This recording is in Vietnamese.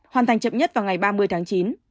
hoàn thành chậm nhất vào ngày ba mươi tháng chín